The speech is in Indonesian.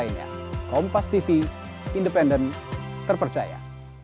iya keluar dulu pak ya